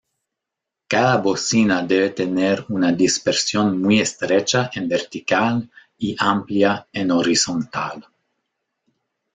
Cada bocina debe tener una dispersión muy estrecha en vertical y amplia en horizontal.